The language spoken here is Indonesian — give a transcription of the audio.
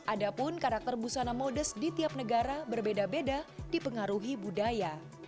ada pun karakter busana modus di tiap negara berbeda beda dipengaruhi budaya